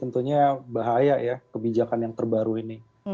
tentunya bahaya ya kebijakan yang terbaru ini